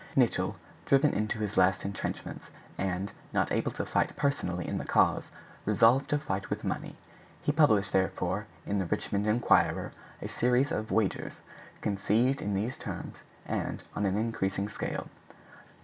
Nicholl, driven into his last entrenchments, and not able to fight personally in the cause, resolved to fight with money. He published, therefore, in the Richmond Inquirer a series of wagers, conceived in these terms, and on an increasing scale: No.